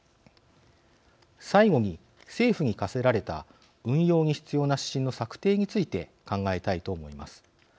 最後に政府に課せられた運用に必要な指針の策定について考えたいと思います。